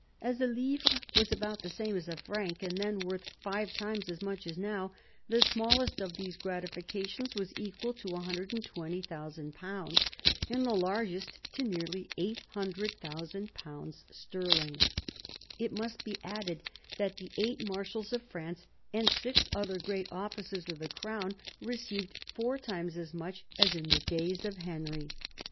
As a livre was about the same as a frane, and then worth five times as mueh as now, the smallest of these " gratifica tions " was equal to ;^i 20,000, and the largest to nearly ;£'8oo, ooo sterling. It must be added that the eight Marshals of France and six other great officers of the Crown received four times as much as in the days of Henry.